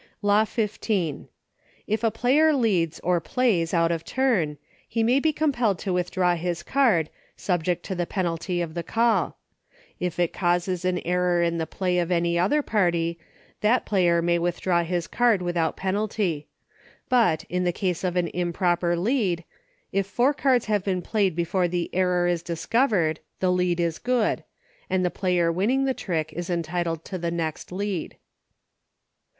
"■o^ Law XV. If a player leads, or plays, out of turn, he may be compelled to withdraw his card, sub ject to the penalty of the call ; if it causes an error in the play of any other party that player may withdraw his card without pe nalty ; but, in the ease of an improper lead, if four cards have been played before the error is discovered the lead is good, and the player winning the trick is entitled to the next lead.